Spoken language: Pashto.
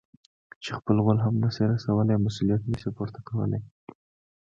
چې خپل غول هم نه شي رسولاى؛ مسؤلیت نه شي پورته کولای.